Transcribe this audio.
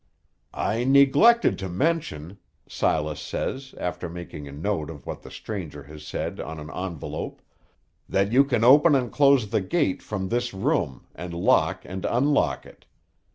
"I neglected to mention," Silas says, after making a note of what the stranger has said on an envelope, "that you can open and close the gate from this room, and lock and unlock it.